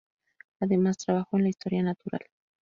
Además trabajó en la Historia natural.